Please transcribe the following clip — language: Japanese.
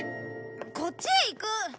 こっちへ行く！